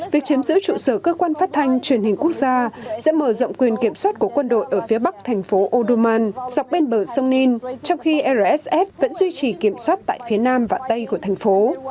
việc chiếm giữ trụ sở cơ quan phát thanh truyền hình quốc gia sẽ mở rộng quyền kiểm soát của quân đội ở phía bắc thành phố uduman dọc bên bờ sông nin trong khi rsf vẫn duy trì kiểm soát tại phía nam và tây của thành phố